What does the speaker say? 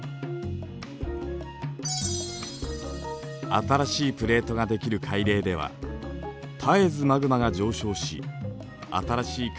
新しいプレートができる海嶺では絶えずマグマが上昇し新しい海底がつくられています。